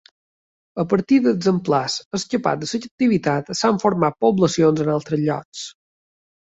A partir d'exemplars escapats de la captivitat s'han format poblacions en altres llocs.